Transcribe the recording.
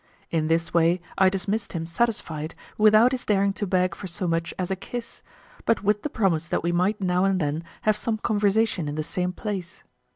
In this way I dismissed him satisfied, without his daring to beg for so much as a kiss, but with the promise that we might now and then have some conversation in the same place.